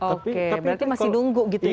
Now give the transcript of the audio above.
oke berarti masih nunggu gitu ya